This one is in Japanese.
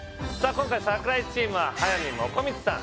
今回櫻井チームは速水もこみちさん